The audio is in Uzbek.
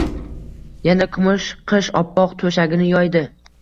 Yana kumush qish oppoq to`shagini yoydi